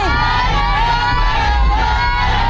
๑โบนัส